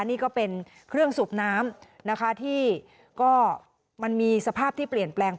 นี่ก็เป็นเครื่องสูบน้ำนะคะที่ก็มันมีสภาพที่เปลี่ยนแปลง